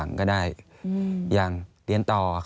อันดับ๖๓๕จัดใช้วิจิตร